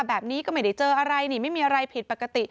แบบนี้ก็ไม่ได้เจออะไรนี่ไม่มีอะไรผิดปกติ